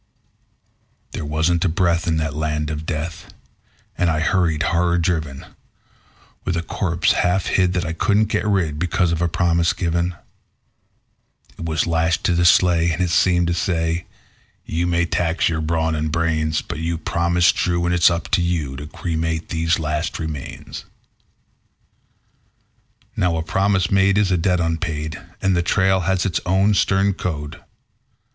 There wasn't a breath in that land of death, and I hurried, horror driven, With a corpse half hid that I couldn't get rid, because of a promise given; It was lashed to the sleigh, and it seemed to say: "You may tax your brawn and brains, But you promised true, and it's up to you to cremate those last remains." Now a promise made is a debt unpaid, and the trail has its own stern code.